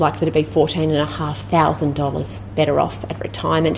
kita memilih kesehatan dari keempat berikutnya untuk memiliki pembayaran tambahan setiap minggu